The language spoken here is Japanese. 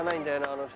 あの人。